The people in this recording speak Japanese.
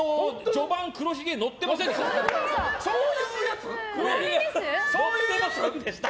序盤黒ひげ乗ってませんでした。